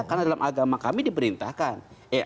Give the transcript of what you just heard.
karena dalam agama kami diperintahkan